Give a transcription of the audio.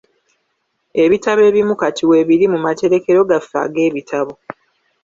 Ebitabo ebimu kati weebiri mu materekero gaffe ag'ebitabo.